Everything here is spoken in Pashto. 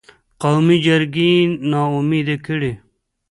قومي جرګې یې نا امیده کړې.